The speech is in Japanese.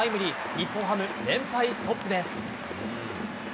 日本ハム、連敗ストップです。